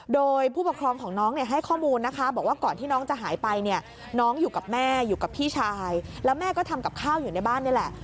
โดยผู้ปกครองของน้องเนี่ยให้ข้อมูลนะคะบอกว่าก่อนที่น้องจะหายไปเนี่ยน้องอยู่กับแม่อยู่กับพี่ชายแล้วแม่ก็ทำกับข้าวอยู่ในบ้านนี่แหละ